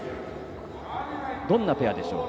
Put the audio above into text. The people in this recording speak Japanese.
どんなペアでしょうか？